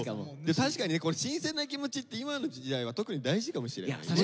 確かにね新鮮な気持ちって今の時代は特に大事かもしれないね。